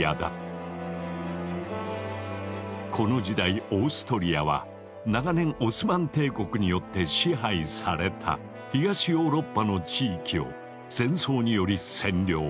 この時代オーストリアは長年オスマン帝国によって支配された東ヨーロッパの地域を戦争により占領。